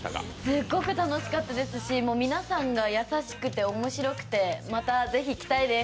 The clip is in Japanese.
すごく楽しかったですし、皆さんが、面白くて、またぜひ来たいです。